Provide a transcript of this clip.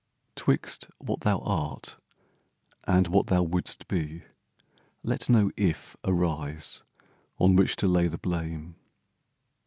IF 'Twixt what thou art, and what thou wouldst be, let No "If" arise on which to lay the blame.